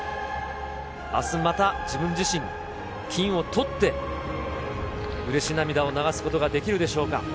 あす、また自分自身、金をとって、うれし涙を流すことができるでしょうか。